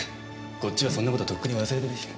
こっちはそんな事とっくに忘れてるし。